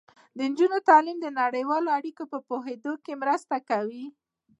د نجونو تعلیم د نړیوالو اړیکو په پوهیدو کې مرسته کوي.